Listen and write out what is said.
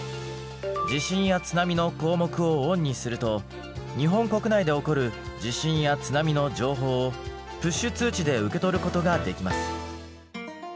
地震や津波の項目をオンにすると日本国内で起こる地震や津波の情報をプッシュ通知で受け取ることができます。